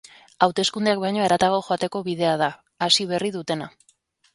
Hauteskundeak baino haratago joateko bidea da, hasi berri dutena.